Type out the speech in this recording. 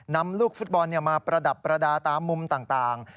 นำลูกฟุตบอลมาประดับประดาษตามมุมต่าง